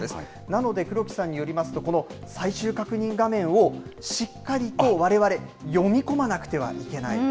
なので黒木さんによりますと、この最終確認画面をしっかりとわれわれ、読み込まなくてはいけない。